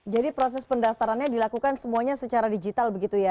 jadi proses pendaftarannya dilakukan semuanya secara digital begitu ya